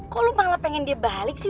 kalau lo malah pengen dia balik sih